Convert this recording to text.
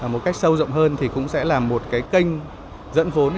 một cách sâu rộng hơn thì cũng sẽ là một cái kênh dẫn vốn